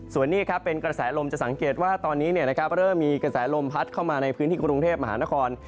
ส่วนนี้ครับเป็นกระแสลมจะสังเกตว่าตอนนี้เริ่มมีกระแสลมพัดเข้ามาในพื้นที่กรุงเทพมหานคร